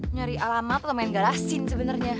nyari alamat atau main galasin sebenarnya